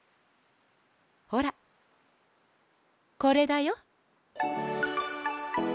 ほらこれだよ。